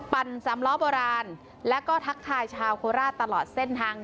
สำล้อโบราณแล้วก็ทักทายชาวโคราชตลอดเส้นทาง